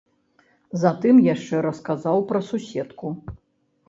Затым яшчэ расказаў пра суседку.